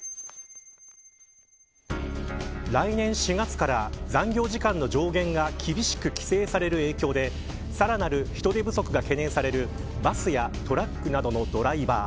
来年４月から、残業時間の上限が厳しく規制される影響でさらなる人手不足が懸念されるバスやトラックなどのドライバー。